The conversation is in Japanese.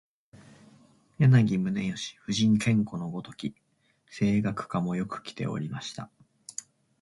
柳宗悦、夫人兼子のごとき声楽家もよくきておりました